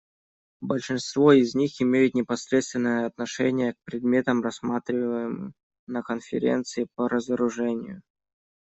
Большинство из них имеют непосредственное отношение к предметам, рассматриваемым на Конференции по разоружению.